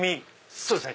そうですね